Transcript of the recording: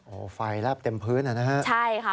โอ้ไฟราบเต็มพื้นอ่ะนะฮะ